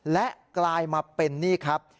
และกลายมาเป็นนี่ครับ